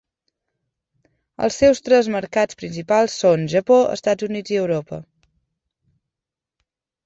Els seus tres mercats principals són Japó, Estats Units i Europa.